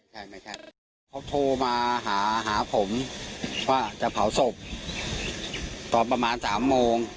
เขาโทรมาหาหาผมว่าจะเผาศพต่อประมาณสามโมง